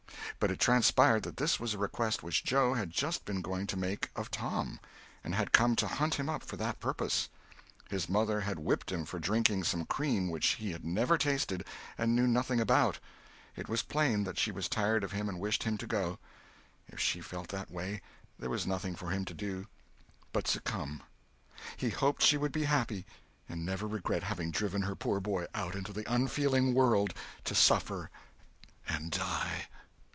But it transpired that this was a request which Joe had just been going to make of Tom, and had come to hunt him up for that purpose. His mother had whipped him for drinking some cream which he had never tasted and knew nothing about; it was plain that she was tired of him and wished him to go; if she felt that way, there was nothing for him to do but succumb; he hoped she would be happy, and never regret having driven her poor boy out into the unfeeling world to suffer and die.